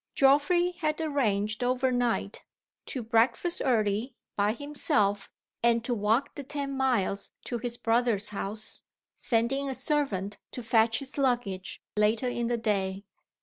Geoffrey had arranged overnight, to breakfast early, by himself, and to walk the ten miles to his brother's house; sending a servant to fetch his luggage later in the day.